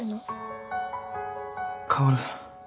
薫。